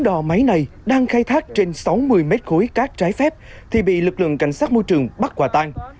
bốn đò máy này đang khai thác trên sáu mươi m ba cát trái phép thì bị lực lượng cảnh sát môi trường bắt quả tang